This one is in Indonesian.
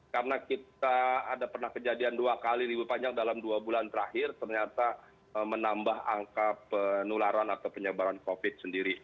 karena ada kejadian dua kali libur panjang dalam dua bulan terakhir ternyata menambah angka penularan atau penyebaran covid sembilan belas sendiri